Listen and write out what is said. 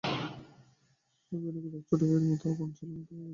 আমি বেণুকে তোর ছোটো ভাইয়ের মতো, আপন ছেলের মতোই দেখি।